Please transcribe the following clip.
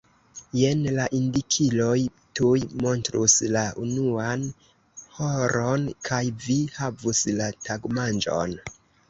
Jen la indikiloj tuj montrus la unuan horon kaj vi havus la tagmanĝon.